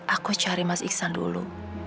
aku cari mas iksan dulu